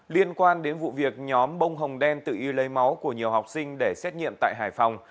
liên quan đến vụ việc nhóm bông hồng đen tự y lấy máu của nhiều học sinh để xét nghiệm tại hải phòng